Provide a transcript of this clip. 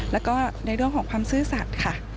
แล้วก็ในเรื่องของความซื่อสัตว์ค่ะ